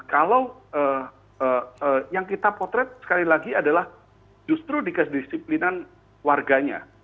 kalau yang kita potret sekali lagi adalah justru di kedisiplinan warganya